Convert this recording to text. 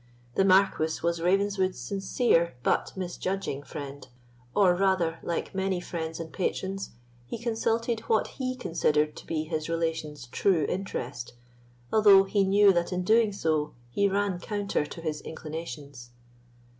The Marquis was Ravenswood's sincere but misjudging friend; or rather, like many friends and patrons, he consulted what he considered to be his relation's true interest, although he knew that in doing so he ran counter to his inclinations.